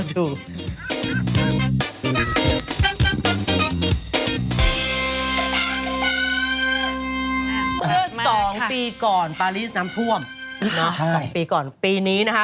เพื่อสองปีก่อนปารีสน้ำท่วมใช่สองปีก่อนปีนี้นะฮะ